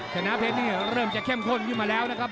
ชนะเพชรนี่เริ่มจะเข้มข้นขึ้นมาแล้วนะครับ